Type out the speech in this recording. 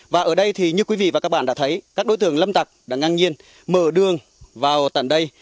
và ở đây thì như quý vị và các bạn đã thấy các đối tượng lâm tặc đã ngang nhiên mở đường vào tận đây